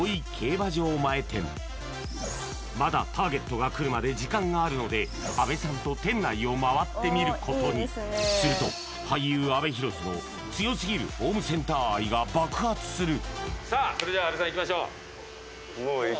まだターゲットが来るまで時間があるので阿部さんと店内を回ってみることにすると俳優・阿部寛の強すぎるホームセンター愛が爆発する！